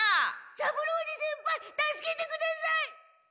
三郎次先輩助けてください！